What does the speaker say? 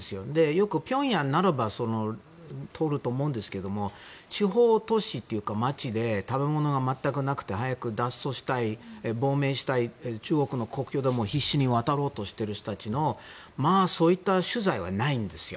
よくピョンヤンならば通ると思うんですけど地方都市というか、町で食べ物が全くなくて早く脱走したい亡命したい、中国の国境を必死に渡ろうとしている人たちのそういった取材はないんですよ。